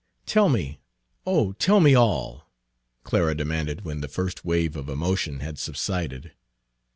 "Tell me, oh, tell me all!" Clara demanded, when the first wave of emotion had subsided.